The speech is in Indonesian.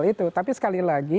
itu tapi sekali lagi